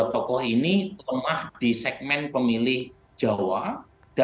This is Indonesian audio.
untuk cawapres pak prabowo itu secara elektoral itu bisa berbeda